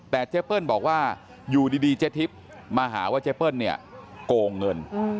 แต่เจ๊เปิ้ลบอกว่าอยู่ดีเจ๊ทิพย์มาหาว่าเจ๊เปิ้ลเนี่ยโกงเงิน